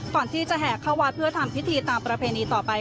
ก่อนที่จะแห่เข้าวัดเพื่อทำพิธีตามประเพณีต่อไป